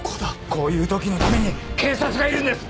こういう時のために警察がいるんです！